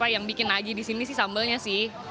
yang bikin nagih di sini sih sambelnya sih